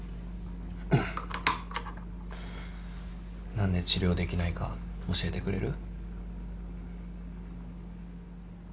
何で治療できないか教えてくれる？